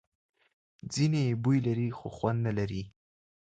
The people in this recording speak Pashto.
ځینې یې بوی لري خو خوند نه لري.